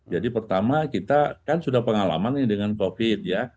jadi pertama kita kan sudah pengalaman dengan covid ya